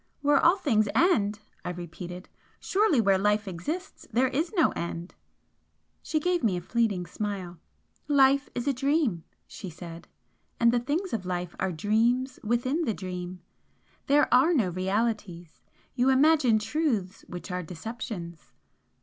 "Where all things end!" I repeated "Surely where life exists there is no end?" She gave me a fleeting smile. "Life is a dream," she said "And the things of life are dreams within the dream! There are no realities. You imagine truths which are deceptions."